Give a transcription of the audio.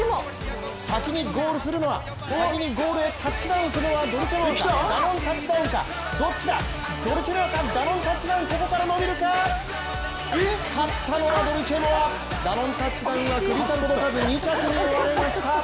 先にゴールするのは、ゴールへタッチダウンするのはドルチェモアかダノンタッチダウンかどっちだ、ドルチェモアかダノンタッチダウンか、ここから伸びるか勝ったのはドルチェモアダノンタッチダウンはクビ差届かず２着に終わりました。